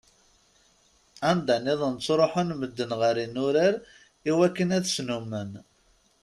Anda-nniḍen ttruḥun medden ɣer yinurar i wakken ad stummnen.